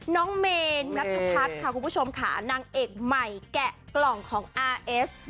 น้องเมนนัทพัฒน์ค่ะคุณผู้ชมค่ะนางเอกใหม่แกะกล่องของอาร์เอส